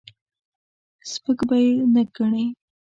سپک به یې نه ګڼې.